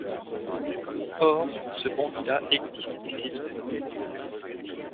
Or, ce bandit-là existe et sévit.